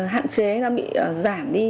hạn chế nó bị giảm đi